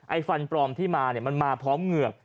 ไอ้ฟันปลอมที่มามันมาพร้อมเหงือก